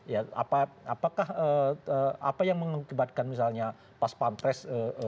ya apakah apa yang mengakibatkan misalnya pas pampres